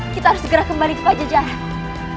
kita harus segera kembali ke pajajaran